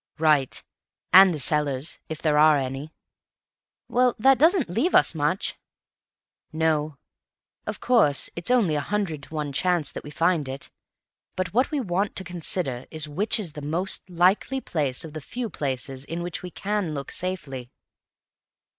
"Right. And the cellars, if there are any." "Well, that doesn't leave us much." "No. Of course it's only a hundred to one chance that we find it, but what we want to consider is which is the most likely place of the few places in which we can look safely."